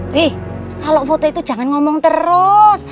wih kalau foto itu jangan ngomong terus